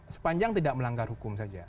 sepanjang tidak melanggar hukum saja